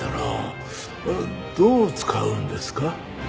どう使うんですか？